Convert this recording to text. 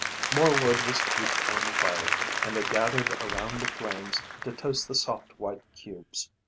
More wood was heaped on the fire and they gathered around the flames to toast the soft, white cubes.